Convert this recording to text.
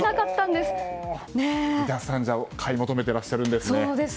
じゃあ、皆さん買い求めてらっしゃるんですね。